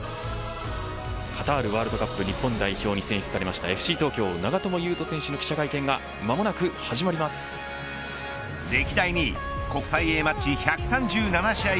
カタールワールドカップ日本代表に選出されましたＦＣ東京長友佑都選手の歴代２位、国際Ａマッチ１３７試合